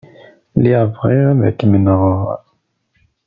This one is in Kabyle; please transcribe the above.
Lliɣ bɣiɣ ad kem-nɣeɣ.